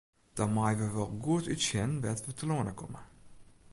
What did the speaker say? Dan meie we wol goed útsjen wêr't we telâne komme.